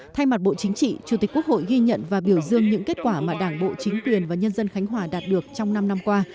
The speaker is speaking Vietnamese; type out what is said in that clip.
thay mặt bộ chính trị chủ tịch quốc hội ghi nhận và biểu dương những kết quả mà đảng bộ chính quyền và nhân dân khánh hòa đạt được trong năm năm qua